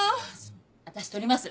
私取ります。